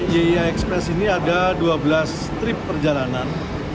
y express ini ada dua belas trip perjalanan